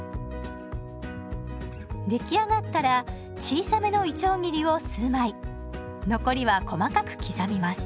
出来上がったら小さめのいちょう切りを数枚残りは細かく刻みます。